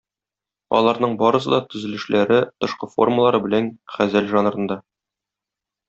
Аларның барысы да төзелешләре, тышкы формалары белән газәл жанрында.